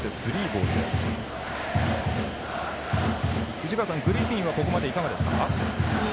藤川さん、グリフィンはここまでいかがですか？